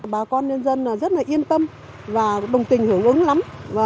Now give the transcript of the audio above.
bà con nhân dân rất là yên tâm và đồng tình hưởng ứng lắm